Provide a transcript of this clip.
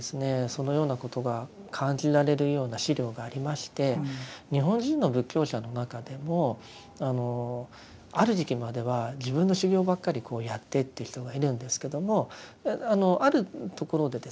そのようなことが感じられるような資料がありまして日本人の仏教者の中でもある時期までは自分の修行ばっかりやってっていう人がいるんですけどもあるところでですね